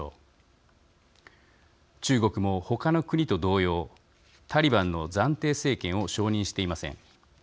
中国もほかの国と同様タリバンの暫定政権を承認していません。